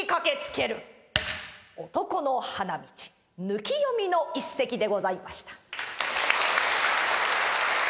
抜き読みの一席でございました。